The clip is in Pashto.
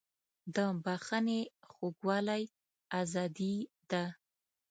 د بښنې خوږوالی ازادي ده.